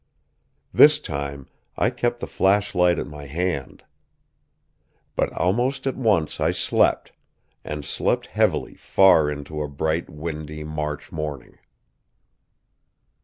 This time I kept the flashlight at my hand. But almost at once I slept, and slept heavily far into a bright, windy March morning.